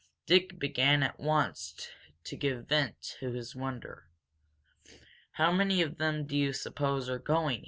Dick began at once to give vent to his wonder. "How many of them do you suppose are going?"